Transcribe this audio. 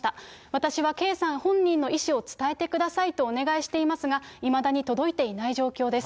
私は圭さん本人の意思を伝えてくださいとお願いしていますが、いまだに届いていない状況です。